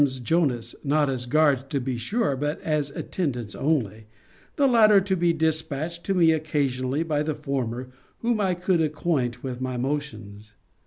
's Jonas (not as guards, to be sure, but as attendants only); the latter to be dispatched to me occasionally by the former, whom I could acquaint with my motions?